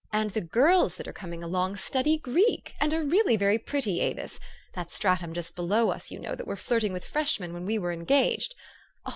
And the girls that are coming along, study Greek, and are really very pretty, Avis, that stratum just below us, you know, that were flirting with freshmen when we were engaged.